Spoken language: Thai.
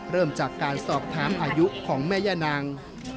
เริ่มจากการสอบถามอายุของแม่ย่านาง